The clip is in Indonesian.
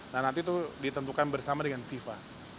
dan nanti itu ditentukan bersama dengan fifa